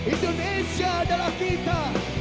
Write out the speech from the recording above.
indonesia adalah kita